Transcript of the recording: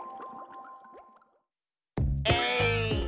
えい！